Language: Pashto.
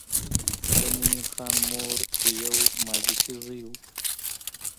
د مومن خان مور یو ماجتي زوی و.